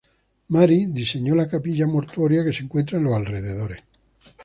Mary diseño la capilla mortuoria que se encuentra en los alrededores.